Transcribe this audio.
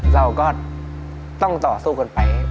เราก็ต้องต่อสู้กันไป